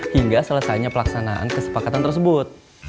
hingga selesainya pelaksanaan kesepakatan tersebut